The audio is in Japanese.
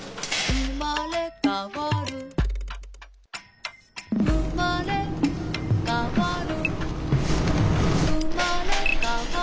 「うまれかわるうまれかわる」